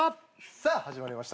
さあ始まりました